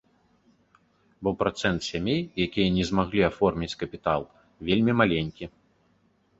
Бо працэнт сямей, якія не змаглі аформіць капітал, вельмі маленькі.